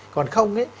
còn không thì